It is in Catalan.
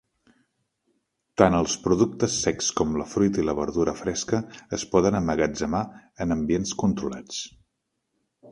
Tant els productes secs com la fruita i la verdura fresca es poden emmagatzemar en ambients controlats.